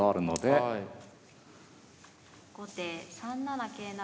後手３七桂成。